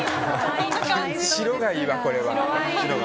白がいいわ、これは。